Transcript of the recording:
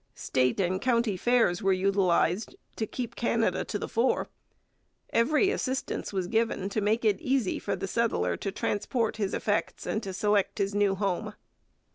State and county fairs were utilized to keep Canada to the fore. Every assistance was given to make it easy for the settler to transport his effects and to select his new home.